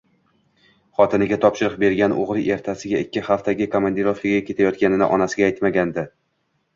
Xotiniga topshiriq bergan o`g`li ertasiga ikki haftaga komandirovkaga ketayotganini onasiga aytmagandi